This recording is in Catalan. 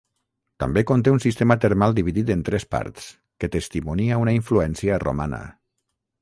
També conté un sistema termal dividit en tres parts, que testimonia una influència romana.